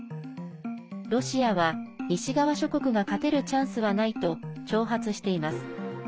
ロシアは、西側諸国が勝てるチャンスはないと挑発しています。